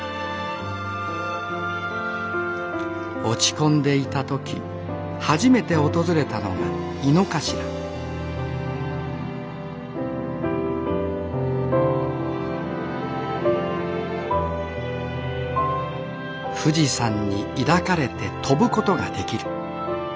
落ち込んでいた時初めて訪れたのが猪之頭富士山に抱かれて飛ぶことができる。